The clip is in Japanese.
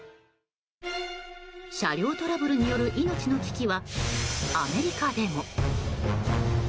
車両トラブルによる命の危機はアメリカでも。